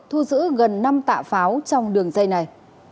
thu giữ gần năm tạ pháo trong đường dây này